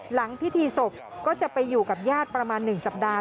หลังพิธีศพก็จะไปอยู่กับญาติประมาณ๑สัปดาห์